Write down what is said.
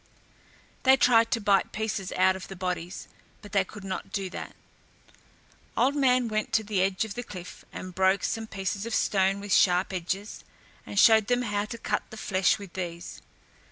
They tried to bite pieces out of the bodies, but they could not do that. Old Man went to the edge of the cliff and broke some pieces of stone with sharp edges, and showed them how to cut the flesh with these.